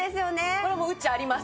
これもううち、あります。